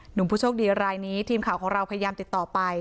ผู้โชคดีรายนี้ทีมข่าวของเราพยายามติดต่อไป